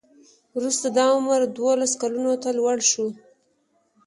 وروسته دا عمر دولسو کلونو ته لوړ شو.